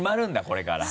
これから。